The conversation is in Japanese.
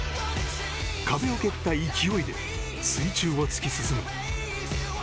壁を蹴った勢いで水中を突き進む。